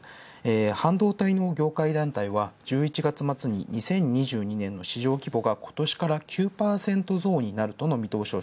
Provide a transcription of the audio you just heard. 半導体の業界団体は１１月末に２０２２年の市場規模が今年から９％ゾーンになると見とおしを。